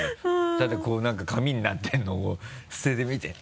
ただなんか紙になってるのを捨ててみて。